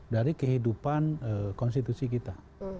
dari kehidupan konstitusi kita